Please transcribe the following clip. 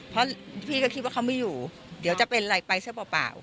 เพราะพี่ก็คิดว่าเขาไม่อยู่เดี๋ยวจะเป็นอะไรไปซะเปล่า